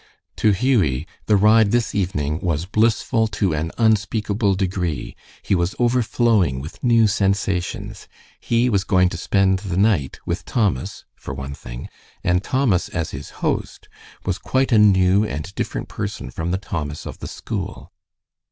To Hughie, the ride this evening was blissful to an unspeakable degree. He was overflowing with new sensations. He was going to spend the night with Thomas, for one thing, and Thomas as his host was quite a new and different person from the Thomas of the school.